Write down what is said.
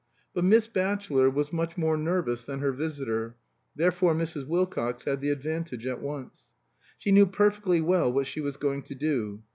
But Miss Batchelor was much more nervous than her visitor, therefore Mrs. Wilcox had the advantage at once. She knew perfectly well what she was going to do.